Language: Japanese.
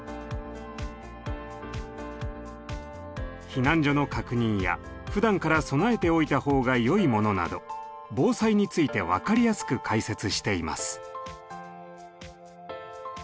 避難所の確認やふだんから備えておいた方がよいものなど防災について分かりやすく解説しています。